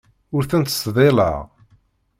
Ur ten-ttseḍḍileɣ.